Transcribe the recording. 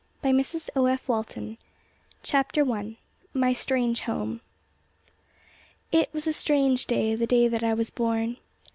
CHAPTER I. MY STRANGE HOME. It was a strange day, the day that I was born.